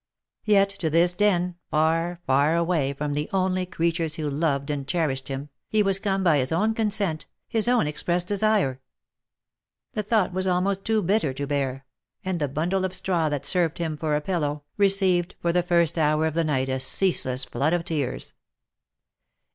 Yet to this den, far, far away from the only creatures who loved and cherished him, he was come by his own consent, his own express desire ! The thought was almost too bitter to bear, and the bundle of straw that served him for a pillow, received for the first hour of the night a ceaseless flood of tears.